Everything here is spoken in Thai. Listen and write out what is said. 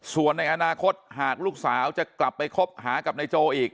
ส่วนในอนาคตหากลูกสาวจะกลับไปคบหากับนายโจอีก